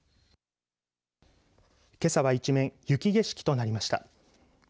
けさは一面雪景色となりました。